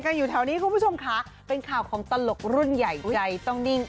อยู่แถวนี้คุณผู้ชมค่ะเป็นข่าวของตลกรุ่นใหญ่ใจต้องนิ่ง